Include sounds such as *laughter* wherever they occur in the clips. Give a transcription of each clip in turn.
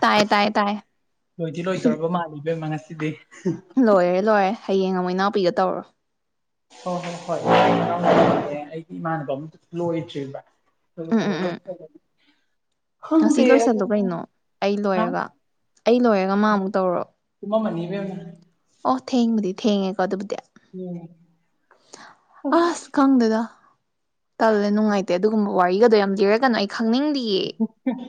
ꯇꯥꯏ ꯇꯥꯏ ꯇꯥꯏ ꯂꯣꯏꯗꯤ ꯂꯣꯏꯗꯔꯕ ꯃꯥꯜꯂꯤꯕꯦꯝꯃꯉꯁꯤ ꯂꯣꯏꯔꯦ ꯂꯣꯏꯔꯦ ꯍꯌꯦꯡ ꯑꯃꯛ ꯏꯅꯥꯎꯄꯤꯒ ꯇꯧꯔꯣ ꯍꯣꯏ ꯍꯣꯏ ꯍꯣꯏꯦ ꯑꯩꯒꯤ ꯏꯃꯥꯟꯅꯕ ꯑ ꯑꯃꯇ ꯂꯣꯏꯗ꯭ꯔꯤꯕ ꯎꯝ ꯆ ꯎꯝ ꯎꯝ ꯉꯁꯤ ꯂꯣꯏꯁꯜꯂꯨ ꯀꯩꯅꯣ ꯑꯩ ꯍꯥ ꯂꯣꯏꯔꯒ ꯑꯩ ꯂꯣꯏꯔꯒ ꯃꯥꯃꯨꯛ ꯇꯧꯔꯣ *unintelligible* ꯑꯣ ꯊꯦꯡꯕꯗꯤ ꯊꯦꯡꯉꯦꯀ ꯑꯗꯨꯕꯨꯗꯤꯌꯥ ꯎꯝ ꯑ ꯁ ꯈꯪ ꯗꯗ ꯇꯜꯂꯦ ꯅꯨꯡꯉꯥꯏꯇꯦ ꯑꯗꯨꯒꯨꯝꯕ ꯋꯥꯔꯤꯒꯗꯣ ꯌꯥꯝ ꯂꯤꯔꯒꯅꯨ ꯑꯩ ꯈꯪꯅꯤꯡꯗꯤ *unintelligible*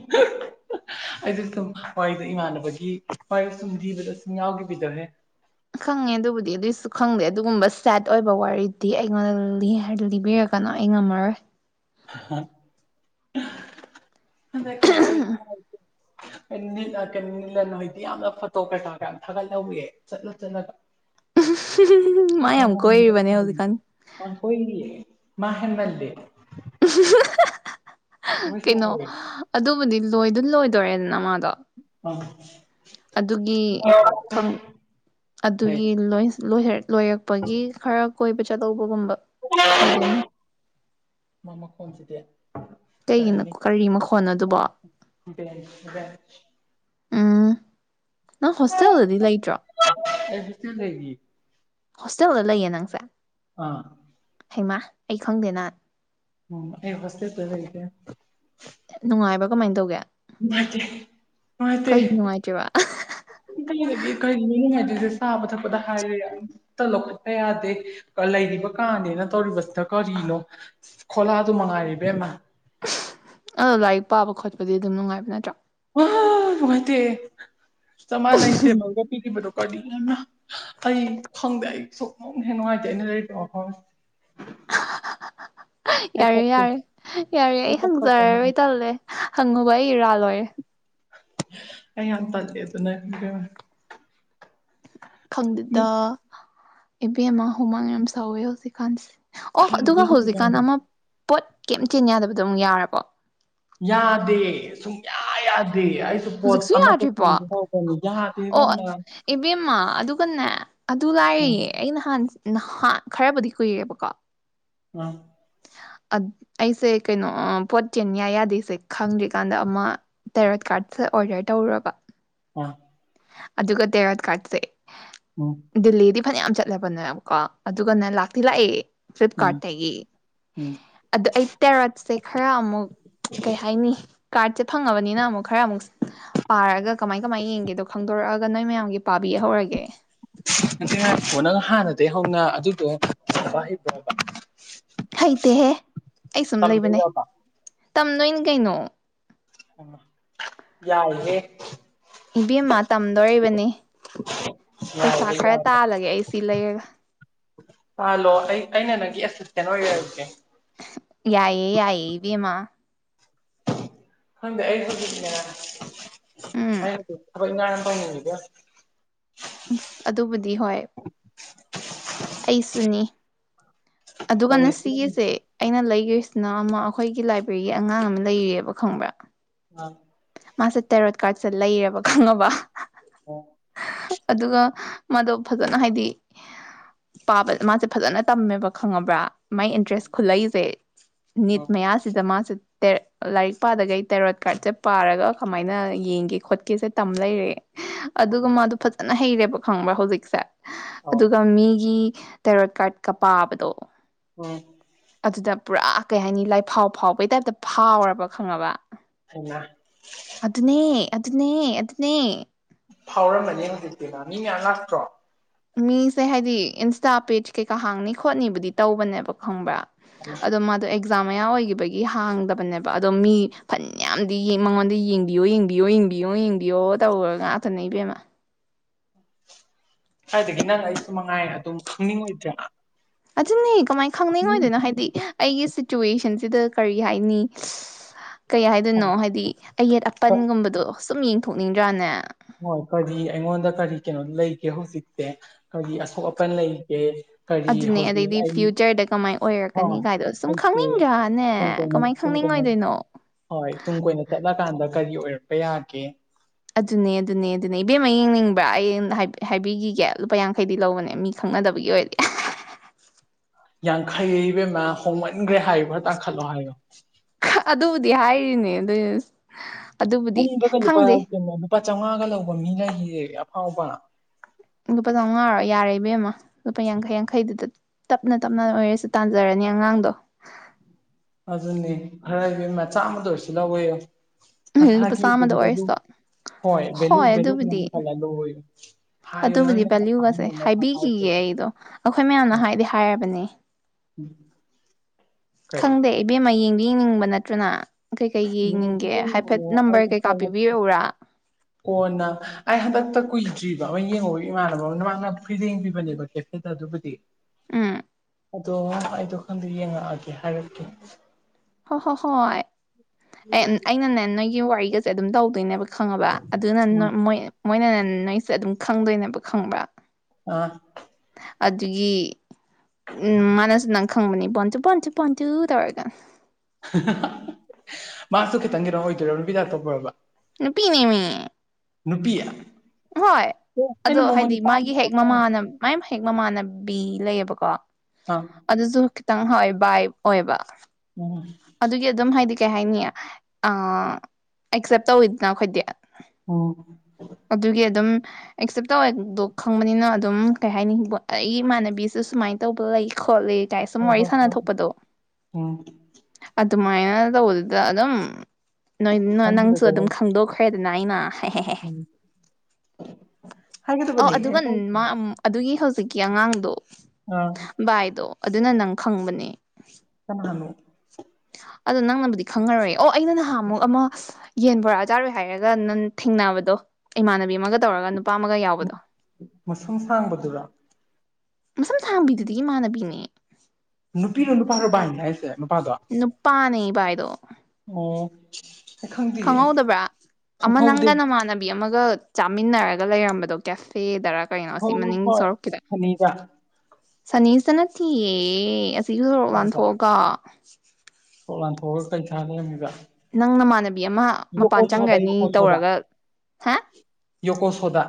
ꯑꯩꯗ ꯁꯨꯝ ꯋꯥꯔꯤꯗ ꯏꯃꯥꯟꯅꯕꯒꯤ ꯋꯥ ꯁꯨꯝ ꯕꯗ ꯁꯨꯝ ꯌꯥꯎꯒꯤꯕꯤꯗꯋꯦ ꯈꯪꯉꯦ ꯑꯗꯨꯕꯨꯗꯤ ꯑꯗꯨꯏꯁꯨ ꯈꯪꯗꯦ ꯑꯗꯨꯒꯨꯝꯕ ꯁꯦꯠ ꯑꯣꯏꯕ ꯋꯥꯔꯤꯗꯤ ꯑꯩꯉꯣꯟꯗ ꯂꯤꯕꯤꯔꯒ ꯀꯅꯥ ꯑꯩ ꯉꯝꯃꯔꯣꯏ ꯗ ꯩꯅ ꯅꯤꯂꯟ ꯍꯣꯏꯗꯤ ꯌꯥꯝꯅ ꯐꯣꯇꯣ ꯀꯇꯥꯥ ꯀ ꯌꯥꯝ ꯊꯥꯒꯠꯍꯧꯋꯏꯌꯦ ꯆꯠꯂ ꯆꯠꯂꯒ ꯃꯥ ꯌꯥꯝ ꯀꯣꯏꯔꯤꯕꯅꯦ ꯍꯧꯖꯤꯛꯀꯥꯟ ꯑꯣꯏ ꯃꯍꯟꯜꯦ ꯀꯩꯅꯣ ꯁꯥꯎꯋꯦ ꯑꯗꯨꯕꯨꯗꯤ ꯂꯣꯏ ꯑꯗꯨꯜ ꯂꯣꯏꯗꯣꯏꯣꯔꯦꯗ ꯅꯃꯥꯗꯣ *unintelligible* ꯑꯗꯨꯒꯤ ꯍꯩ ꯑꯗꯨꯒꯤ ꯂꯣꯏꯔꯦ ꯂꯣꯏꯔꯛꯄꯒꯤ ꯈꯔ ꯀꯣꯏꯕ ꯆꯗꯧꯕ ꯃꯃꯥ ꯈꯣꯟꯁꯤꯗꯤ ꯀꯩꯒꯤꯅꯣ ꯀꯔꯤ ꯃꯈꯣꯟꯅꯣ ꯑꯗꯨꯕꯣ *unintelligible* ꯎꯝ ꯅꯪ ꯍꯣꯁꯇꯦꯜꯗꯗꯤ ꯂꯩꯇ꯭ꯔꯣ ꯑꯩꯇ ꯂꯩ ꯍꯣꯁꯇꯦꯜꯗ ꯂꯩꯌꯦ ꯅꯪꯁꯦ ꯑꯥ ꯍꯩꯃ ꯑꯩ ꯈꯪꯗꯦꯅ ꯎ ꯑꯩ ꯐꯁꯦ ꯇ ꯂꯩꯗꯦ ꯅꯨꯡꯉꯥꯏꯕ꯭ꯔꯥ ꯀꯃꯥꯏꯅ ꯇꯧꯒꯦ ꯃꯥꯦ ꯃꯥꯦ ꯀꯩ ꯅꯨꯡꯉꯥꯏꯇ꯭ꯔꯤꯕ ꯏ ꯀ ꯆꯥꯕ ꯊꯛꯄꯗ ꯍꯥꯏꯔꯦ ꯌꯥ ꯑꯗꯨꯝ ꯂꯧꯈꯠꯄ ꯌꯥꯗꯦ ꯂꯩꯔꯤꯕ ꯀꯥꯅꯦꯅ ꯇꯧꯔꯤꯕꯁꯤꯗ ꯀꯔꯤꯅꯣ ꯈꯣꯂꯥꯗꯨ ꯃꯥꯔꯤꯕꯦꯃ ꯂꯥꯏꯔꯤꯛ ꯄꯥꯕ ꯈꯣꯠꯄꯗꯤ ꯑꯗꯨꯝ ꯅꯨꯡꯉꯥꯏꯕ ꯅꯠꯇ꯭ꯔꯥ ꯍꯗꯤꯦ ꯁꯃꯅ ꯏꯇꯦꯒꯗꯤꯕꯗꯨ ꯀ ꯌꯥꯝꯅ ꯑꯩ ꯈꯪꯗꯦ ꯑꯩ ꯁꯨꯡꯧꯅ ꯍꯦꯟꯅ ꯅꯨꯡꯉꯥꯏꯇꯦ ꯑꯩꯅ ꯂꯩꯣ ꯍꯣꯏ ꯌꯥꯔꯦ ꯀꯞꯄꯦ ꯌꯥꯔꯦ ꯌꯥꯔꯦ ꯑꯩ ꯍꯪꯖꯔꯔꯣꯏ ꯇꯜꯂꯦ ꯍꯪꯉꯨꯕ ꯑꯩ ꯏꯔꯥꯜ ꯂꯣꯏꯔꯦ ꯑꯩ ꯌꯥꯝ ꯇꯜꯂꯦ ꯑꯗꯨꯅ ꯃꯤ ꯈꯪꯗꯗ ꯏꯕꯦꯝꯃ ꯍꯨꯃꯥꯡ ꯌꯥꯝ ꯁꯥꯎꯋꯦ ꯍꯧꯖꯤꯛꯀꯥꯟꯁꯦ ꯑꯣ ꯑꯗꯨꯒ ꯍꯧꯖꯤꯛꯀꯥꯟꯗ ꯑꯃ ꯄꯣꯠ ꯀꯩꯝꯇꯦꯟ ꯌꯥꯗꯕꯗꯣꯝꯛ ꯌꯥꯔꯕꯣ ꯌꯥꯗꯦ ꯁꯨꯡꯌꯥ ꯌꯥꯗꯦ ꯑꯩꯁꯨ ꯄꯣꯠ ꯍꯧꯖꯤꯛꯁꯨ ꯑꯃꯠꯇ ꯌꯥꯗ꯭ꯔꯤꯔꯤꯕꯣ ꯆꯦꯟꯖ ꯇꯧꯔꯛꯄꯅꯤ ꯌꯥꯗꯦ ꯑꯣ ꯏꯕꯦꯝꯃ ꯏꯕꯦꯝꯃ ꯑꯗꯨꯒꯅꯦ ꯑꯗꯨ ꯎꯝ ꯂꯥꯏꯔꯤꯌꯦ ꯑꯩ ꯅꯍꯥꯟ ꯅꯍꯥꯟ ꯈꯔꯕꯨꯗꯤ ꯀꯨꯏꯔꯦꯕꯀꯣ ꯑ ꯑꯩꯁꯦ ꯀꯩꯅꯣ ꯄꯣꯠ ꯆꯦꯟꯌꯥ ꯌꯥꯗꯦꯁꯦ ꯈꯪꯗ꯭ꯔꯤꯀꯥꯟꯗ ꯑꯃ ꯇꯦꯔꯣꯠ ꯀꯥꯔꯠꯁꯦ ꯑꯣꯔꯗꯔ ꯇꯧꯔꯨꯔꯕ ꯑ ꯑꯗꯨꯒ ꯇꯦꯋꯥꯠ ꯀꯥꯠꯁꯦ ꯎꯝ ꯗꯤꯜꯂꯤꯗꯤ ꯐꯅꯌꯥꯝ ꯆꯠꯂꯕꯅꯦꯕꯀꯣ ꯑꯗꯨꯒ ꯅ ꯂꯥꯛꯇꯤ ꯂꯥꯛꯑꯦ ꯎꯝ ꯐ꯭ꯂꯤꯞꯀꯥꯔꯗꯠꯇꯒꯤ ꯎꯝ ꯑꯗꯨ ꯑꯩ ꯇꯦꯔꯣꯠꯁꯦ ꯈꯔ ꯑꯃꯨꯛ ꯀꯩ ꯍꯥꯏꯅꯤ ꯀꯥꯔꯠꯁꯦ ꯐꯪꯉꯕꯅꯤꯅ ꯑꯃꯨꯛ ꯈꯔ ꯑꯃꯨꯛ ꯄꯥꯔꯒ ꯀꯃꯥꯏ ꯀꯃꯥꯏꯅ ꯌꯦꯡꯒꯦꯗꯣ ꯈꯪꯗꯣꯔꯛꯑꯒ ꯅꯣꯏ ꯃꯌꯥꯝꯒꯤ ꯄꯥꯕꯤ ꯍꯧꯔꯒꯦ ꯉ ꯉꯄꯣ ꯅꯪ ꯍꯥꯟꯅꯗꯒꯤ ꯍꯧꯅ ꯑꯗꯨꯗꯣ ꯍꯩꯕ ꯍꯩꯇꯦꯍꯦ ꯑꯩ ꯁꯨꯝ ꯂꯩꯕꯅꯦ ꯇꯝꯗꯣꯏꯔꯕ ꯇꯝꯗꯣꯏꯅꯤ ꯀꯩꯅꯣ ꯑ ꯌꯥꯏꯌꯦꯦ ꯏꯕꯦꯝꯃ ꯇꯝꯗꯣꯔꯤꯕꯅꯤ ꯄꯩꯁꯥ ꯌꯥꯏꯍꯦ ꯈꯔ ꯇꯥꯜꯂꯒꯦ ꯑꯩ ꯁꯤ ꯂꯩꯔꯒ ꯍꯜꯂꯣ ꯑꯩ ꯑꯩꯅ ꯅꯪꯒꯤ ꯑꯦꯁꯤꯁꯇꯦꯟ ꯑꯣꯏꯈꯁꯦ ꯌꯥꯌꯦ ꯌꯥꯏꯌꯦꯕꯤ ꯃꯥ ꯍꯪꯗ ꯑꯩ ꯍꯗꯅꯦ ꯎꯝ ꯍꯥꯏ ꯏꯅꯅꯥꯅ ꯄꯥꯎꯅꯤꯅꯦ ꯀꯌꯥ ꯑꯁ ꯑꯗꯨꯕꯨꯗꯤ ꯍꯣꯏ ꯑꯩꯁꯨꯅꯤ ꯑꯗꯨꯒꯅ ꯇꯧꯅꯤꯡꯕꯒꯤ ꯁꯤꯒꯤꯁꯦ ꯑꯩꯅ ꯂꯩ ꯌꯨꯁꯅꯥ ꯑꯃ ꯑꯩꯈꯣꯏꯒꯤ ꯂꯥꯏꯕ꯭ꯔꯦꯔꯤꯒꯤ ꯑꯉꯥꯡ ꯑꯃ ꯂꯩꯔꯤꯑꯕ ꯈꯪꯕ꯭ꯔꯥ ꯑ ꯃꯥꯁꯦ ꯇꯦꯔꯣꯠ ꯀꯥꯔꯠꯁꯗ ꯂꯩꯔꯕ ꯈꯪꯉꯕ ꯑꯣ ꯑꯗꯨꯒ ꯃꯥꯗꯣ ꯐꯖꯅ ꯍꯥꯏꯗꯤ ꯄꯥꯕ ꯃꯥꯁꯦ ꯐꯖꯅ ꯇꯝꯃꯦꯕ ꯈꯪꯉꯕ꯭ꯔꯥ ꯃꯥꯏ ꯏꯟꯇꯔꯦꯁ ꯈꯨꯠꯂꯛꯏꯁꯦ ꯑ ꯅꯤꯠ ꯃꯌꯥꯁꯤꯗ ꯃꯥꯁꯤꯦ ꯂꯥꯏꯔꯤꯛ ꯄꯥꯗꯒꯩ ꯇꯦꯔꯣꯠ ꯀꯥꯔꯠꯁꯦ ꯄꯥꯔꯒ ꯀꯃꯥꯏꯅ ꯌꯦꯡꯒꯦ ꯈꯣꯠꯀꯦꯁꯦ ꯇꯝ ꯂꯩꯔꯦ ꯑꯗꯨꯒ ꯃꯥꯗꯣ ꯐꯖꯅ ꯍꯩꯔꯦ ꯈꯪꯕ꯭ꯔꯥ ꯍꯧꯖꯤꯛꯁꯦ ꯑꯧ ꯑꯗꯨꯒ ꯃꯤꯒꯤ ꯇꯦꯔꯣꯠ ꯀꯥꯔꯠꯀ ꯄꯥꯕꯗꯣ ꯎꯝ ꯑꯗꯨꯗ ꯄꯨꯔꯥ ꯀꯩ ꯍꯥꯏꯅꯤ ꯂꯥꯏꯐꯥꯎ ꯐꯥꯎꯕꯩ ꯇꯥꯏꯞꯇ ꯐꯥꯎꯔꯕ ꯈꯪꯉꯕ ꯍꯩꯃꯥ ꯑꯗꯨꯅꯦ ꯑꯗꯨꯅꯦ ꯑꯗꯨꯗꯅꯦ ꯐꯥꯎꯔꯝꯃꯅꯤ ꯍꯧꯖꯤꯛꯇꯤꯅ ꯃꯤ ꯃꯌꯥꯝ ꯉꯥꯛꯇ꯭ꯔꯣ ꯃꯤꯁꯦ ꯍꯥꯏꯗꯤ ꯏꯟꯁꯇꯥ ꯄꯦꯖ ꯀꯩꯀꯥ ꯍꯥꯡꯅꯤ ꯈꯣꯠꯅꯤꯕꯨꯗꯤ ꯇꯧꯕꯅꯦꯕ ꯈꯪꯕ꯭ꯔꯥ ꯑꯗ ꯃꯥ ꯑꯗꯨ ꯄꯛꯖꯥꯝ ꯃꯌꯥ ꯑꯣꯏꯈꯤꯕꯒꯤ ꯍꯥꯡꯗꯕꯅꯦꯕ ꯑꯗꯣ ꯃꯤ ꯐꯟ ꯌꯥꯝꯗꯤ ꯃꯉꯣꯟꯗ ꯌꯦꯡꯕꯤꯌꯣ ꯌꯦꯡꯕꯤꯌꯣꯡ ꯍꯡꯕꯤꯌꯣ ꯍꯡꯕꯤꯌꯣ ꯇꯧꯈꯔꯒ ꯉꯥꯛꯇꯅ ꯏꯕꯦꯝꯃ ꯑꯗꯨꯗꯒꯤ ꯅꯪ ꯑꯩꯁꯨ ꯃꯉꯥꯏꯅ ꯑꯗꯨꯝ ꯈꯪꯅꯤꯡꯉꯣꯏꯗ꯭ꯔꯥ ꯑꯗꯨꯅꯦ ꯀꯃꯥꯏꯅ ꯈꯪꯅꯤꯡꯉ ꯑꯣꯏꯗꯣꯏꯅꯣ ꯍꯥꯏꯗꯤ ꯑꯩꯒꯤ ꯁꯤꯆꯨꯋꯦꯁꯟꯁꯤꯗ ꯀꯔꯤ ꯍꯥꯏꯅꯤ ꯀꯩ ꯍꯥꯏꯗꯣꯏꯅꯣ ꯍꯥꯏꯗꯤ ꯑꯌꯦꯠ ꯑꯄꯟꯒꯨꯝꯕꯗꯣ ꯁꯨꯝ ꯌꯦꯡꯊꯣꯛꯅꯤꯡꯗ꯭ꯔꯥꯅꯦ ꯍꯣꯏ ꯀꯔꯤ ꯑꯩꯉꯣꯟꯗ ꯀꯔꯤ ꯀꯩꯅꯣ ꯂꯩꯒꯦ ꯍꯧꯖꯤꯛꯁꯦ ꯀꯔꯤ ꯑꯁꯣꯛ ꯑꯄꯟ ꯂꯩꯒꯦ ꯀꯔꯤ ꯑꯗꯨꯅꯦ ꯍꯧꯖꯤꯛ ꯑꯗꯩꯗꯤ ꯑꯩ ꯐ꯭ꯌꯨꯆꯔꯗ ꯀꯃꯥꯏꯅ ꯑꯣꯏꯔꯛꯀꯅꯤ ꯍꯣꯏ ꯀꯥꯏꯗꯣ ꯁꯨꯝ ꯑꯩꯁꯦ ꯈꯪꯅꯤꯡꯗ꯭ꯔꯥꯅꯦ ꯇꯨꯡ ꯀꯣꯏꯅ ꯀꯃꯥꯏꯅ ꯇꯨꯡ ꯈꯪꯅꯤꯡ ꯀꯣꯏꯅ ꯑꯣꯏꯗꯣꯏꯅꯣ ꯍꯣꯏ ꯇꯨꯡ ꯀꯣꯏꯅ ꯆꯠꯂ ꯀꯥꯟꯗ ꯀꯔꯤ ꯑꯣꯏꯔꯛꯄ ꯌꯥꯒꯦ ꯑꯗꯨꯅꯦ ꯑꯗꯨꯅꯦ ꯑꯗꯨꯅꯦ ꯏꯕꯦꯝꯃ ꯌꯦꯡꯅꯤꯡꯕ꯭ꯔꯥ ꯑꯩ ꯍꯥꯏꯕꯤꯈꯤꯒꯦ ꯂꯨꯄꯥ ꯌꯥꯡꯈꯩꯗꯤ ꯂꯧꯕꯅꯦ ꯃꯤ ꯈ ꯈꯪꯅꯗꯕꯒꯤ ꯑꯣꯏꯗꯤ ꯌꯥꯡꯈꯩꯕꯦꯝꯃ ꯍꯣꯡꯃꯟꯈ꯭ꯔꯦ ꯍꯥꯏꯨ ꯈꯔꯥ ꯇꯥꯡꯈꯠꯂꯣ ꯍꯥꯏꯌꯣ ꯑꯗꯨꯕꯨꯗꯤ ꯍꯥꯏꯔꯤꯅꯦ ꯑꯗꯨ ꯑꯗꯨꯕꯨꯗꯤ ꯄꯨꯡꯗꯒ ꯂꯨꯄꯥ ꯈꯪꯗꯦ ꯀꯩꯅꯣ ꯂꯨꯄꯥ ꯆꯥꯃꯉꯥꯒ ꯂꯧꯕ ꯃꯤ ꯂꯩꯦ ꯑꯐꯥꯎꯕ ꯂꯨꯄꯥ ꯆꯥꯃꯉꯥꯣ ꯌꯥꯔꯦ ꯏꯕꯦꯝꯃ ꯂꯨꯄꯥ ꯌꯥꯡꯈꯩ ꯌꯥꯡꯈꯩꯗꯨꯗ ꯇꯞꯅ ꯇꯞꯅ ꯑꯣꯏꯔꯁꯨ ꯇꯥꯟꯖꯔꯅꯤ ꯑꯉꯥꯡꯗꯣ ꯑꯗꯨꯅꯦ ꯈꯔ ꯍꯥꯏꯕꯦꯝ ꯃ ꯆꯥꯝꯃꯗ ꯑꯣꯏꯔꯁꯨ ꯂꯧꯋꯣ ꯂꯨꯄꯥ ꯃꯁꯥꯒꯤ ꯑꯗꯨꯝ ꯆꯥꯝꯃꯗ ꯚꯦꯂꯨ ꯑꯣꯏꯔꯁꯨ ꯍꯣꯏ ꯚꯦꯂꯨ ꯚꯦꯂꯨ ꯀꯨꯛ ꯀꯜꯂ ꯂꯧ ꯑꯗꯨꯕꯨꯗꯤ ꯚꯦꯂꯨꯒꯁꯦ ꯍꯥꯏꯕꯤꯈꯤꯒꯦ ꯑꯩꯗꯣ ꯑꯩꯈꯣꯏ ꯃꯌꯥꯝꯅ ꯍꯥꯏꯗꯤ ꯍꯥꯏꯔꯕꯅꯦ ꯎꯝ ꯈꯪꯗꯦ ꯏꯕꯦꯝꯃ ꯌꯦꯡꯕꯤ ꯌꯦꯡꯅꯤꯡꯕ ꯅꯠꯇ꯭ꯔꯅ ꯀꯩꯀꯩ ꯌꯦꯡ ꯌꯦꯡꯅꯤꯡꯒꯦ ꯈꯨꯌꯦꯡ ꯍꯥꯏꯐꯦꯠ ꯌꯦꯡꯉꯣ ꯅꯝꯕꯔ ꯑꯩ ꯀꯩꯀꯥ ꯍꯥꯏꯔꯛꯀꯦ ꯄꯤꯕꯤꯔꯛꯎꯔꯥ ꯀꯣꯟꯅ ꯑꯩ ꯍꯟꯗꯛꯇ ꯀꯨꯏꯗ꯭ꯔꯤꯕ ꯑꯩ ꯌꯦꯡꯉꯧ ꯏꯃꯥꯟꯅꯕ ꯑꯃ ꯅ ꯃꯥꯅ ꯐꯨꯔꯤ ꯌꯦꯡꯕꯤꯕꯅꯦꯕ ꯀꯦꯐꯦꯗ ꯑꯗꯨꯕꯨꯗꯤ ꯎꯝ ꯑꯗꯣ ꯑꯩꯗꯣ ꯈꯪꯗꯦ ꯌꯦꯡꯉꯛꯑꯒꯦ ꯍꯥꯏꯔꯛꯀꯦ ꯍꯣꯏ ꯍꯣꯏ ꯍꯣꯏ ꯍꯣꯏ ꯑꯩꯅꯅꯦ ꯅꯣꯏꯒꯤ ꯋꯥꯔꯤꯒꯁꯦ ꯑꯗꯨꯝ ꯇꯧꯗꯣꯏꯅꯦꯕ ꯈꯪꯉꯕ ꯑꯗꯨꯅꯣꯏ ꯎꯝ ꯃꯣꯏꯅ ꯅꯣꯏꯁꯦ ꯑꯗꯨꯝ ꯈꯪꯗꯣꯏꯅꯦꯕ ꯈꯪꯕ ꯑꯥ ꯑꯗꯨꯒꯤ ꯎꯝ ꯃꯥꯅꯁꯨ ꯅ ꯈꯪꯅꯤ ꯁꯨ ꯁꯨ ꯨ ꯇꯕꯥꯔꯒ ꯃꯥꯁꯨ ꯈꯤꯇꯪꯒꯤꯔꯣ ꯑꯣꯏꯗꯣꯏꯔ ꯔꯨꯕꯤꯗꯥꯛ ꯇꯧꯕ ꯄꯨꯔꯕ ꯄꯤꯅꯦ ꯃꯤ ꯅꯨꯄꯤꯌꯥ ꯍꯣꯏ ꯑꯗꯣ ꯍꯥꯏꯗꯤ ꯃꯥꯒꯤ ꯍꯦꯛ ꯈꯟ ꯃꯃꯥꯅ ꯃꯥꯏ ꯍꯦꯛ ꯃꯃꯥꯟꯅꯕꯤ ꯂꯩꯌꯦꯕꯀꯣ ꯑꯥ ꯑꯗꯨꯁꯨ ꯈꯤꯇꯪ ꯍꯥꯎꯋꯦ ꯕꯥꯏ ꯑꯣꯏꯕ ꯃ ꯑꯗꯨꯒꯤ ꯑꯗꯨꯝ ꯍꯥꯏꯗꯤ ꯀꯩ ꯍꯥꯏꯅꯤ ꯑꯦꯛꯁꯦꯞ ꯇꯧꯋꯤꯗꯅ ꯑꯩꯈꯣꯏꯗꯤ ꯑꯣ ꯑꯗꯨꯒꯤ ꯑꯗꯨꯝ ꯑꯦꯛꯁꯦꯞ ꯇꯧꯋꯦꯗꯣ ꯈꯪꯕꯅꯤꯅ ꯑꯗꯨꯝ ꯀꯩ ꯍꯥꯏꯅꯤꯕ ꯑꯩꯒꯤ ꯏꯃꯥꯟꯅꯕꯤꯁꯤ ꯁꯨꯃꯥꯏꯅ ꯇꯧꯕ ꯂꯩ ꯈꯣꯠꯂꯤ ꯀꯥꯏ ꯁꯨꯝ ꯍ ꯍꯣ ꯋꯥꯔꯤ ꯁꯥꯟꯅ ꯍꯣ ꯊꯣꯛꯄꯗꯣ ꯎꯝ ꯑꯗꯨꯃꯥꯏꯅ ꯇꯧꯕꯗꯨꯗ ꯑꯗꯨꯝ ꯅꯣꯏ ꯅꯪꯁꯨ ꯈꯪꯒꯤꯕꯗꯣ ꯑꯗꯨꯝ ꯈꯪꯗꯣꯛꯈ꯭ꯔꯦꯗꯅ ꯑꯩꯅ ꯎꯝ ꯑꯣ ꯍꯥꯏꯒꯗꯕꯅꯦ ꯑꯗꯨꯒ ꯀꯩꯝ ꯀꯥꯏꯗꯤꯌꯦ ꯑꯩꯒꯤ ꯍꯧꯖꯤꯛꯀꯤ ꯑꯉꯥꯡꯗꯣ ꯑꯥ ꯕꯥꯏꯗꯣ ꯑꯗꯨꯅ ꯅꯪ ꯈꯪꯕꯅꯦ ꯀꯅꯥ ꯑꯗꯣ ꯅꯪꯅꯕꯨꯗꯤ ꯈꯪꯉꯔꯣꯏꯦ ꯑꯣ ꯑꯩꯅ ꯅꯍꯥꯟ ꯑꯃꯨꯛ ꯑꯃ ꯌꯦꯟ ꯐꯣꯔꯛꯑ ꯆꯥꯔꯣꯏ ꯍꯥꯏꯔꯒ ꯅꯪ ꯊꯦꯡꯅꯕꯗꯣ ꯏꯃꯥꯟꯅꯕꯤ ꯑꯃꯒ ꯇꯧꯔꯒ ꯑꯃꯒ ꯌꯥꯎꯕꯗꯣ ꯃꯁꯨꯝ ꯁꯥꯡꯕꯗꯨꯔ ꯃꯁꯝ ꯁꯥꯡꯕꯤꯗꯨꯗꯒꯤ ꯃꯥꯥꯟꯅꯕꯤꯅꯦ ꯅꯨꯄꯤꯅ ꯅꯨꯄꯥꯔꯕꯥ ꯍꯅꯥꯏꯦ ꯅꯨꯄꯥ ꯅ ꯄꯥꯏꯗꯣ ꯑꯣ ꯑꯩ ꯈꯪꯗꯤꯌꯦ ꯈꯪꯍꯧꯗꯕ꯭ꯔꯥ ꯑꯃ ꯈꯪꯍꯧꯗꯦ ꯅꯪꯒ ꯅꯃꯥꯟꯅꯕꯤ ꯑꯃꯒ ꯑꯗꯨꯒ ꯆꯥꯃꯤꯟꯅꯔꯒ ꯂꯩꯔꯝꯕꯗꯣ ꯀꯦꯐꯦꯗꯔ ꯀꯩꯅꯣ ꯁꯤ ꯍꯣꯏ ꯍꯣꯏ ꯃꯅꯤꯡ ꯍꯣꯏ ꯁꯔꯛꯈꯤꯗ ꯐꯅꯤꯗ ꯁꯅꯤꯁꯤꯇ ꯅꯠꯇꯦꯌꯦ ꯑꯁꯤꯁꯨ ꯁꯣꯔꯣꯛ ꯂꯥꯟꯊꯣꯛꯑꯒ ꯊꯣꯛꯣꯛ ꯂꯥꯟꯊꯣꯛꯑꯒ ꯀꯩꯥ ꯂꯩꯔꯝꯃꯤꯒ ꯅꯪ ꯅꯃꯥꯟꯅꯕꯤ ꯑꯃ ꯃꯄꯥꯟ ꯁꯣꯗꯥ ꯆꯪꯒꯅꯤ ꯇꯧꯔꯒ ꯍꯥ ꯌꯀꯣ ꯁꯣꯗꯥ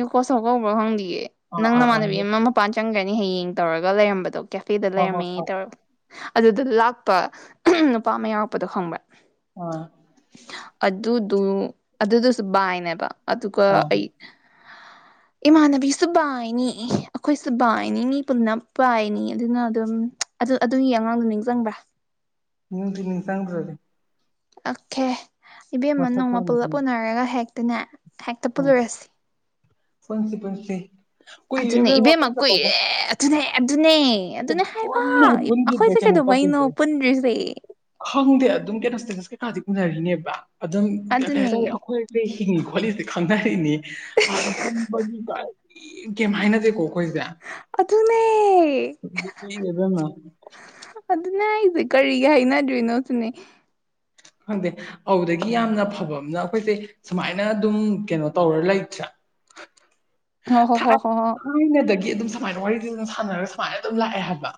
ꯏ ꯀꯣꯁꯧ ꯀꯧꯕ꯭ꯔꯣ ꯈꯪꯗꯌꯦꯦ ꯑꯥ ꯅꯪ ꯑꯥ ꯑꯥ ꯅꯃꯥꯟꯅꯕꯤ ꯌꯣ ꯑꯃ ꯃꯄꯥꯟ ꯆꯪꯈ꯭ꯔꯅꯤ ꯍꯌꯦꯡ ꯇꯧꯔꯒ ꯂꯩꯔꯝꯕꯗꯣ ꯀꯦꯐꯦꯗ ꯍꯣꯏ ꯂꯩꯔꯝꯃꯦ ꯍꯣꯏ ꯍꯣꯏ ꯇꯧꯔ ꯑꯗꯨꯗ ꯂꯥꯛꯄ ꯅꯨꯄꯥ ꯑꯃ ꯌꯥꯎꯔꯛꯄꯗꯣ ꯈꯪꯕ꯭ꯔꯥ ꯑꯥ ꯑꯗꯨꯗꯨ ꯑꯗꯨꯗꯨꯁꯨ ꯕꯥꯏꯅꯦꯕ ꯑꯗꯨꯒ ꯑꯩ ꯎꯝ ꯏꯃꯥꯟꯅꯕꯤꯁꯨ ꯕꯥꯏꯅꯤ ꯑꯩꯈꯣꯏꯁꯨ ꯕꯥꯏꯅꯤꯅꯤ ꯄꯨꯅꯞ ꯕꯥꯥꯏꯅꯤ ꯑꯗꯨꯅ ꯑꯗꯨꯝ ꯑꯗꯨ ꯑꯗꯨꯒꯤ ꯑꯉꯥꯡꯗꯣ ꯅꯤꯡꯁꯤꯡꯕ꯭ꯔꯥ ꯅꯔꯤ ꯅꯤꯡ ꯆꯪꯗ꯭꯭ꯔꯔꯤ ꯑꯀꯦ ꯏꯕꯦꯝꯃ ꯅꯣꯡꯃ ꯑꯣꯏꯅꯗꯤ ꯄꯨꯂꯞ ꯎꯅꯔꯒ ꯍꯦꯛꯇꯅꯦ ꯍꯦꯛꯇ ꯎꯝ ꯄꯨꯂꯨꯔꯁꯤ ꯄꯨꯟꯁꯤ ꯄꯨꯟꯁꯤ ꯀꯨꯏꯔꯦ ꯑꯗꯨꯅꯦ ꯏꯕꯦ ꯏꯕꯦꯝꯃ ꯃꯀꯣꯏ ꯄꯨꯟꯗꯕꯒ ꯏꯔꯦ ꯑꯗꯨ ꯑꯗꯨꯅꯦ ꯑꯗꯨ ꯑꯗꯨꯅꯦ ꯑꯦ ꯑꯗꯨꯅꯦ ꯍꯥꯏꯕ ꯁꯨꯛꯄꯨꯟ ꯍꯦꯛ ꯄꯨꯟꯈꯤꯗ꯭ꯔꯦ ꯑꯩꯈꯣꯏꯁꯦ ꯀꯩꯗꯧꯕꯩꯅꯣ ꯄꯨꯟꯗ꯭ꯔꯤꯁꯦ ꯍꯥꯎꯗꯦ ꯑꯗꯨꯝ ꯀꯦ ꯅꯁ ꯗꯤꯛ ꯎꯅꯔꯤꯅꯦꯕ ꯑꯗꯨꯝ ꯀꯔꯤ ꯍꯥꯏꯇꯥꯔꯦ ꯑꯗꯨꯅꯦ ꯑꯩꯈꯣꯏꯁꯦ ꯍꯤꯡꯉꯤ ꯈꯣꯠꯂꯤꯁꯦ ꯈꯪꯅꯔꯤꯅꯤ ꯑ ꯀꯩ ꯍꯥꯏꯅꯗꯦꯀꯣ ꯑꯩꯈꯣꯏꯁꯦ ꯑꯗꯨꯅꯦ ꯀꯣꯏ ꯂꯩꯕꯅ ꯑꯗꯨꯅꯦ ꯍꯥꯏꯁꯦ ꯀꯔꯤꯒꯤ ꯍꯥꯏꯅꯗꯣꯏꯅꯣ ꯁꯤꯅꯦ ꯈꯪꯗꯦ ꯑꯗꯨꯗꯒꯤ ꯌꯥꯝꯅ ꯐꯕ ꯑꯃꯅ ꯑꯩꯈꯣꯏꯁꯦ ꯁꯨꯃꯥꯏꯅ ꯑꯗꯨꯝ ꯀꯩꯅꯣ ꯇꯧꯔ ꯂꯩꯁꯦ ꯑ ꯑ ꯍꯣ ꯍꯣ ꯍꯣ ꯍ ꯑꯗꯨꯝ ꯁꯨꯃꯥꯏꯅ ꯋꯥꯔꯤ ꯂꯤ ꯁꯥꯟꯅꯔꯒ ꯁꯨꯃꯥꯏꯅ ꯑꯗꯨꯝ ꯂꯥꯛꯑꯦ ꯍꯥꯏꯕ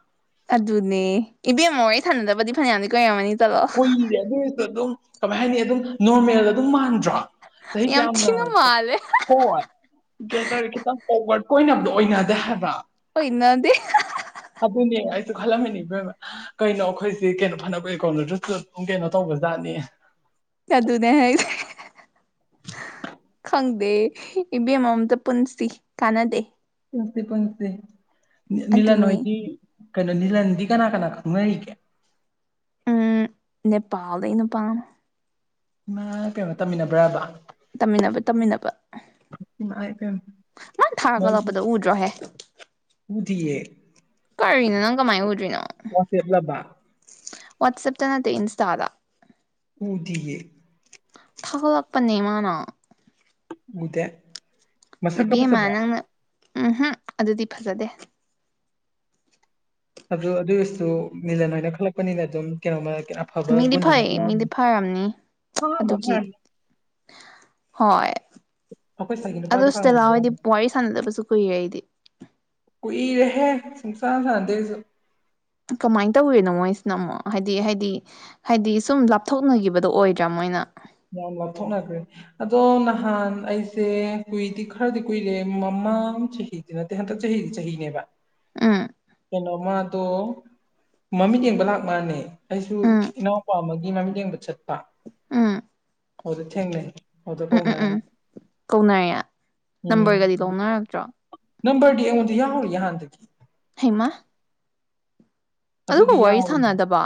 ꯑꯗꯨꯅꯦ ꯏꯕꯦꯝꯃꯣ ꯑꯩ ꯊꯥꯟꯅꯗꯕꯗꯤ ꯐꯅꯌꯥꯝꯅꯤ ꯀꯣꯏꯔꯝꯃꯅꯤ ꯀꯨꯏꯔꯦ ꯑꯗꯨꯔꯁꯨ ꯑꯗꯨꯝ ꯀꯃꯥꯏ ꯍꯥꯏꯅꯤ ꯑꯗꯨꯝ ꯅꯣꯔꯃꯦꯜꯗ ꯑꯗꯨꯝ ꯃꯥꯟꯕ ꯁꯍꯤ ꯌꯥꯝ ꯀꯌꯥꯝ ꯅ ꯊꯤꯅ ꯃꯥꯜꯂꯦ ꯍꯣ ꯀꯦ ꯇꯈꯤꯗ ꯐꯒ ꯀꯣꯏ ꯅꯗꯣ ꯑꯣꯏꯅꯗ ꯍꯥꯏꯕ ꯑꯣ ꯏꯟꯅꯣꯗꯤ ꯑꯗꯨꯅꯦ ꯑꯩꯁꯨ ꯈꯜꯂꯝꯃꯤꯅꯤꯕ ꯀꯩꯅꯣ ꯑꯩꯈꯣꯏꯁꯦ ꯀꯩꯅꯣ ꯐꯅꯕꯒꯤ ꯀꯣꯅꯗꯨꯁꯨ ꯑꯗꯨꯝ ꯀꯩꯅꯣ ꯇꯧꯕ ꯗꯥꯅꯤ ꯆꯗꯨꯅꯦ ꯍꯥꯏꯦ ꯗ ꯏꯕꯦꯝꯃꯝꯇ ꯄꯨꯟꯁꯤ ꯀꯥꯟꯅꯗꯦ ꯄꯪ ꯄꯪꯤ ꯅꯅꯤꯂ ꯑꯗꯨꯅꯤ ꯅꯣꯏꯗꯤ ꯀꯩꯅꯣ ꯅꯤꯂꯟꯗꯤ ꯀꯅꯥ ꯀꯅꯥ ꯈꯪꯅꯔꯤꯒꯦ ꯅꯦꯄꯥꯜꯗꯩꯅ ꯄꯂ ꯏꯃꯥ ꯀꯩꯅꯣ ꯇꯝꯃꯤꯟꯅꯕ꯭ꯔꯕ ꯇꯝꯃꯤꯟꯅꯕ ꯇꯝꯃꯤꯟꯅꯕ ꯏꯃꯥ ꯏꯄꯦꯝꯃ ꯃꯥꯅ ꯊꯥꯔ ꯀꯠꯂꯛꯄꯗ ꯎꯗ꯭ꯔꯣꯍꯦ ꯎꯗꯤꯦ ꯅꯣ ꯅꯪ ꯀꯃꯥꯏꯅ ꯎꯗ꯭ꯔꯤꯅꯣ ꯋꯥ ꯅ ꯇ ꯏꯟꯁ ꯇꯥꯗ ꯎꯗꯤꯌꯦ ꯂꯛꯄꯅꯦꯃꯅ ꯀꯨꯗꯦ ꯏꯕꯦꯝꯃ ꯅꯪꯅ ꯎꯝꯝ ꯑꯗꯨꯗꯤ ꯐꯖꯗꯦ ꯑꯗꯨ ꯑꯗꯨꯒꯤꯁꯨ ꯃꯤꯂꯟ ꯑꯣꯏꯅ ꯈꯜꯂꯛꯄꯅꯤꯅ ꯑꯗꯨꯝ ꯀꯩꯅꯣꯃ ꯑꯐꯕ ꯃꯤꯗꯤ ꯒꯨꯟ ꯐꯩꯌꯦ ꯑꯃꯗꯤ ꯌꯥꯎꯅꯤ ꯃꯤꯗꯤ ꯐꯝꯅꯤ ꯑꯍꯥꯟꯕ ꯑꯗꯨꯒꯤ ꯐꯔꯅꯤ ꯍꯣꯏ ꯑꯩꯈꯣꯏ ꯁꯥꯏꯒꯤ ꯑꯗꯨ ꯅꯨꯄꯥꯒ ꯁꯤꯗ ꯐꯪꯍꯟꯕ ꯂꯥꯛꯑꯣꯑꯣꯗꯤ ꯌꯥꯕꯅꯤ ꯋꯥꯔꯤ ꯁꯥꯟꯅꯗꯕꯁꯨ ꯀꯨꯏꯔꯦ ꯑꯩꯗꯤ ꯀꯨꯏꯔꯦꯍꯦ ꯁꯁꯤꯡꯁꯥ ꯁꯥꯟꯗꯦꯁꯨ ꯀꯃꯥꯏꯅ ꯇꯧꯋꯤꯅꯣ ꯃꯣꯏꯁꯤꯅ ꯑꯃꯨꯛ ꯍꯥꯏꯗꯤ ꯍꯥꯏꯗꯤ ꯍꯥꯏꯗꯤ ꯁꯨꯝ ꯂꯥꯞꯊꯣꯛꯅꯈꯤꯕꯗꯣ ꯑꯣꯏꯗ꯭ꯔꯥ ꯃꯣꯏꯅ ꯌꯥꯝ ꯂꯥꯞꯊꯣꯛꯅꯈ꯭ꯔꯦ ꯑꯗꯣ ꯅꯍꯥꯟ ꯑꯩꯁꯦ ꯀꯨꯏꯗꯤ ꯈꯔꯗꯤ ꯀꯨꯏꯔꯦꯃ ꯆꯍꯤꯗꯤ ꯅꯠꯇꯦ ꯍꯟꯇ ꯆꯍꯤꯗꯤ ꯆꯍꯤꯅꯦꯕ ꯑꯥ ꯀꯩꯅꯣꯃ ꯑꯗꯨꯣ ꯃꯃꯤꯠ ꯌꯦꯡꯕ ꯂꯥꯛ ꯃꯥꯜꯅꯦ ꯑꯩꯁꯨ ꯎꯝ ꯏꯅꯥꯎꯄꯥ ꯑꯃꯒꯤ ꯃꯃꯤꯠ ꯌꯦꯡꯕ ꯆꯠꯄ ꯎꯝ ꯑꯗꯨꯗꯤ ꯊꯦꯡꯅꯩ ꯑꯗꯨꯗ ꯎꯝ ꯎꯝ ꯐꯥꯎꯅꯔꯦ ꯎꯝ ꯀꯧꯅꯔꯦ ꯎꯝ ꯅꯝꯕꯔꯒꯗꯤ ꯂꯧꯅꯔꯛꯇ꯭ꯔꯣ ꯅꯝꯕꯔꯗꯤꯉꯣꯟꯗꯤ ꯌꯥ ꯍ ꯌꯥ ꯍꯥꯟꯗ ꯃ ꯑꯗꯨꯗꯤ ꯌꯥꯎꯔꯣꯏꯗ ꯁꯥꯟꯅꯗꯕ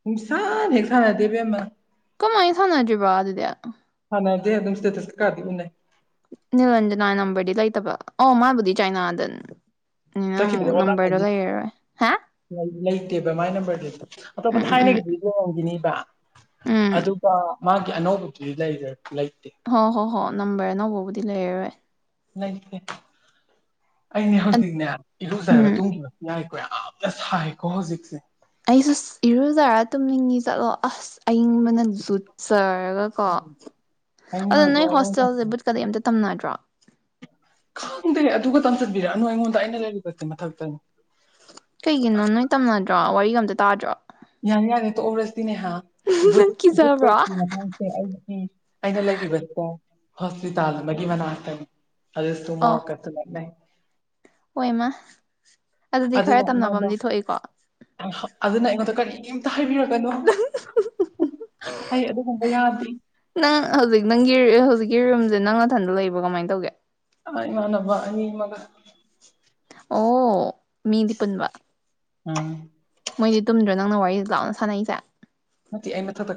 ꯄꯨꯡ ꯏꯁꯥꯅ ꯍꯦꯛ ꯁꯥꯟꯅꯗꯦꯕꯦꯝꯃ ꯀꯃꯥꯏ ꯁꯅꯖꯤꯕꯥꯗꯗꯌꯥ ꯑꯗꯨꯁꯇꯦꯇꯁꯤꯀꯔꯗꯤ ꯎꯟꯅ ꯅꯤꯔꯟꯖꯅꯥ ꯅꯝꯕꯝꯕꯔꯗꯤ ꯂꯩ ꯇꯕ ꯑꯣ ꯃꯥꯥꯏꯕꯨꯙ ꯆꯥꯏꯅꯥꯗꯟ ꯆ ꯈꯈꯤꯗ ꯑꯣꯂ ꯍꯥꯏꯅꯤ ꯍꯥ ꯂꯩꯇꯦꯕ ꯃꯥꯏ ꯅꯝꯕꯔꯗꯨꯗꯤ ꯑꯇꯣꯞꯄ ꯎꯝ ꯎꯝ ꯎꯝ ꯊꯥꯏꯅꯒꯤꯗꯤ ꯂꯝꯒꯤꯅꯤ ꯎꯝ ꯑꯗꯨꯒ ꯃꯥꯒꯤ ꯑꯅꯧꯕꯗꯨꯗꯤ ꯂꯩꯖ ꯍꯣꯏ ꯍꯣ ꯍꯣꯏ ꯅꯝꯕꯔ ꯑꯅꯧꯕꯕꯨꯗꯤ ꯂꯩꯔꯔꯣꯏ ꯦ ꯑꯩꯅꯦ ꯍꯧꯖꯤꯛꯅꯦ ꯏꯍꯧꯖꯈꯒ ꯎꯝ ꯇꯨꯝꯈꯤꯕ ꯁ ꯍꯥꯏꯦꯀꯣ ꯍꯧꯣꯖꯤꯛꯁꯦ ꯑꯩꯁꯨ ꯏꯔꯨꯖꯔꯥ ꯇꯨꯝꯅꯤꯡꯉꯤ ꯆꯠꯂꯣ ꯑꯁ ꯑꯏꯪꯕꯅꯖꯨꯠꯆꯔꯒ ꯀꯣ ꯑꯗꯣ ꯅꯣꯏ ꯍꯣꯁꯇꯦꯜꯁꯦ ꯕꯨꯠ ꯀꯔꯤꯩ ꯑꯝꯇ ꯇꯝꯅꯗ꯭ꯔꯣ ꯈꯪꯗꯦ ꯑꯗꯨ ꯈꯛꯇꯪ ꯆꯠꯄꯤꯔꯛꯅꯣ ꯑꯩꯉꯣꯟꯗ ꯑꯩꯅ ꯂꯩꯔꯤꯕꯕꯁꯦ ꯃꯊꯛꯇꯅꯤ ꯀꯩꯒꯤꯅꯣ ꯅꯣꯏ ꯇꯝꯅꯗ꯭ꯔꯣ ꯋꯥꯔꯤꯒ ꯑꯝꯇ ꯇꯥꯗ꯭ꯔꯣ ꯌꯥꯅꯤ ꯌꯥꯅꯤ ꯑꯣꯔ ꯁꯤꯅꯦꯍꯥ ꯕꯨ ꯅꯪ ꯕꯨ ꯀꯤꯖꯕ꯭ꯔꯣ ꯄꯀꯤ ꯃꯇꯥꯡꯁꯦ ꯑꯩꯒꯤ ꯑꯩꯅ ꯂꯩꯔꯤꯕꯁꯦ ꯍꯣꯁꯄꯤ ꯇꯜ ꯃꯒꯤꯃꯅꯥ ꯍꯥꯏꯇꯅꯦ ꯑꯗꯨꯗꯁꯨ ꯃ ꯀ ꯂ ꯍ ꯏꯃ ꯑꯗꯨꯗꯤ ꯑꯗꯨꯅ ꯈꯔ ꯑꯩꯉꯣꯟꯗ ꯇꯝꯅꯐꯝꯗꯤ ꯊꯣꯛꯏꯀꯣ ꯑꯗꯨꯅ ꯑꯩꯉꯣꯟꯗ ꯀꯔꯤꯒꯤ ꯑꯝꯇ ꯍꯥꯏꯕꯤꯛꯑꯣ ꯣ ꯑꯩ ꯑꯗꯨꯒꯨꯝꯕ ꯌꯥꯗ꯭ꯦ ꯅꯪ ꯍꯧꯖꯤꯛ ꯅꯪꯒꯤ ꯍꯧꯖꯤꯛꯀꯤ ꯔꯨꯝꯁꯦ ꯅꯪ ꯃꯊꯟꯗ ꯂꯩꯕ꯭ꯔꯥ ꯀꯃꯥꯏꯅ ꯇꯧꯒꯦ ꯑ ꯏꯃ ꯅꯕꯅꯤ ꯃꯒ ꯑꯣ ꯃꯤꯗꯤ ꯄꯨꯟꯕ ꯎꯝ ꯃꯣꯏꯗꯤ ꯇꯨꯝꯗ꯭ꯔꯣ ꯅꯪꯅ ꯋꯥꯔꯤꯗ ꯂꯥꯎꯅ ꯁꯥꯟꯅꯩꯁꯦ ꯅꯠꯇꯦ ꯑꯩ ꯃꯊꯛꯇ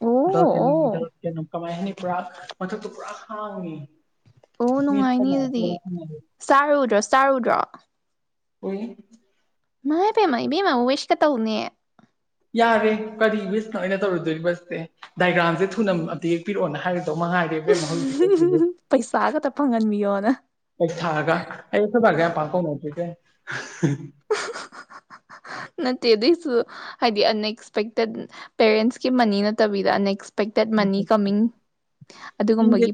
ꯑꯣ ꯑꯣ ꯀꯃꯥꯏ ꯍꯥꯏꯅꯤ ꯄꯨꯔꯥ ꯃꯊꯛꯇ ꯄꯨꯔꯥ ꯍꯥꯡꯉꯤ ꯑꯣ ꯃꯤ ꯅꯨꯡꯉꯥꯏꯅꯤ ꯑꯗꯨꯗꯤ ꯆꯥꯔꯨꯗ꯭ꯔꯣ ꯆꯥꯔꯨꯗ꯭ꯔꯣ ꯍꯏ ꯉ ꯄꯥꯏꯋꯦꯁ ꯀ ꯇ ꯎꯅꯤ ꯌꯥꯔꯦ ꯀꯔꯤ ꯋꯤꯁꯅ ꯑꯩꯅ ꯇꯧꯔꯨꯗꯣꯔꯤꯕꯁꯦ ꯗꯥꯏꯒ꯭ꯔꯥꯝꯁꯦ ꯊꯨꯅ ꯑꯝꯇ ꯌꯦꯛꯄꯤꯔꯛꯑꯣꯅ ꯍꯥꯏꯔꯁ ꯔꯦ ꯃꯍ ꯑꯩ ꯄꯩꯁꯥꯒꯇ ꯐꯪꯍꯟꯕꯤꯌꯣꯅ ꯊꯥꯛꯑꯒ ꯑꯩ ꯑꯩꯈꯣꯏꯗꯥ ꯀꯌꯥ ꯄꯥꯡꯀꯧꯅꯗ꯭ꯔꯤꯁꯦ ꯅꯗꯤ ꯨ ꯍꯥꯏꯗꯤ ꯑꯟꯑꯛꯁꯄꯦꯛꯇꯦꯠ ꯄꯦꯔꯦꯟꯁꯀꯤ ꯃꯅꯤ ꯅꯠꯇꯕꯤꯗ ꯑꯟꯑꯛꯁꯄ ꯑꯦꯛꯄꯦꯛꯇꯦꯠ ꯃꯅꯤ ꯀꯃꯤꯡ ꯈꯪꯗꯦ ꯑꯗꯨꯒꯨꯝꯕꯒꯤ